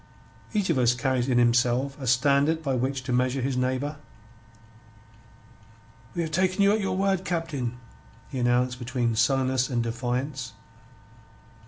Each of us carries in himself a standard by which to measure his neighbour. "We have take' you at your word, Captain," he announced, between sullenness and defiance.